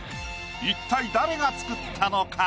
一体誰が作ったのか？